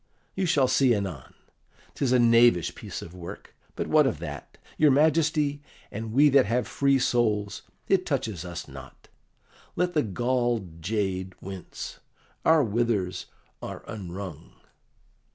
You shall see anon. 'Tis a knavish piece of work; but what of that? Your Majesty and we that have free souls, it touches us not; let the galled jade wince, our withers are unwrung."